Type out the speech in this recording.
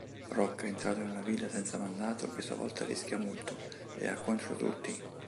Rocca, entrato nella villa senza mandato, questa volta rischia molto e ha contro tutti.